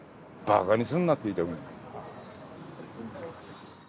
馬鹿にすんなって言いたくなる。